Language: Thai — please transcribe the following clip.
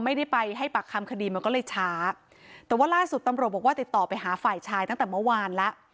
ไม่ได้ไปให้ปากคำคดีมันก็เลยช้าแต่ว่าล่าสุดตำรวจบอกว่าติดต่อไปหาฝ่ายชายตั้งแต่เมื่อวานแล้ว